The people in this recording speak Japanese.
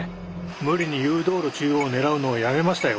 無理に誘導路中央を狙うのをやめましたよ。